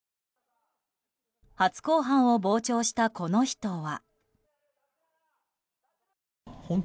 初公判を傍聴した、この人は。